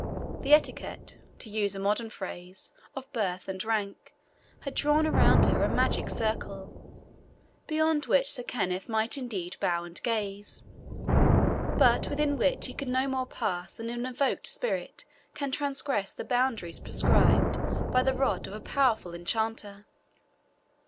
The etiquette, to use a modern phrase, of birth and rank, had drawn around her a magical circle, beyond which Sir Kenneth might indeed bow and gaze, but within which he could no more pass than an evoked spirit can transgress the boundaries prescribed by the rod of a powerful enchanter.